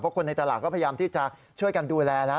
คนในตลาดก็พยายามที่จะช่วยกันดูแลนะ